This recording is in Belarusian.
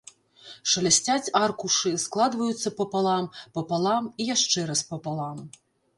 Шалясцяць аркушы, складваюцца папалам, папалам і яшчэ раз папалам.